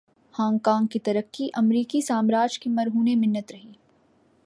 Hong Kong کی ترقی انگریز سامراج کی مرہون منت رہی۔